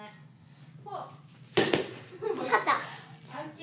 勝った！